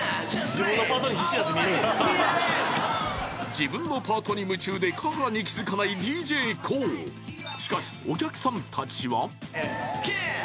自分のパートに夢中で華原に気づかないＤＪＫＯＯしかしＹｅａｈ！